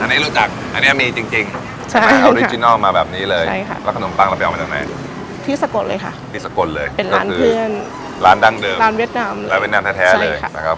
อันนี้รู้จักอันนี้มีจริงออริจินัลมาแบบนี้เลยใช่ค่ะแล้วขนมปังเราไปเอามาจากไหนที่สกลเลยค่ะเป็นร้านเพื่อนร้านดังเดิมร้านเวียดนามร้านเวียดนามแท้เลยใช่ค่ะ